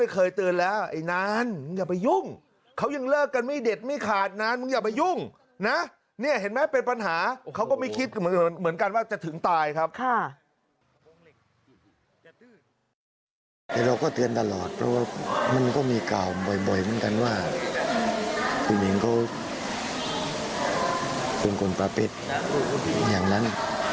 เพราะว่ามันก็มีกล่าวบ่อยเหมือนกันว่าผู้หญิงก็คงกลมปลาเป็ดอย่างนั้น